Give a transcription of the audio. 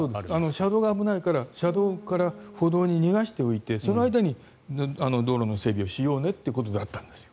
車道が危ないから車道から歩道に逃がしておいてその間に道路の整備をしようねってことだったんです。